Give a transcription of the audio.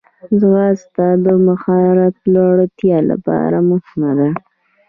ځغاسته د مهارت لوړتیا لپاره مهمه ده